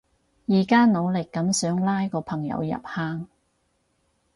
而家努力噉想拉個朋友入坑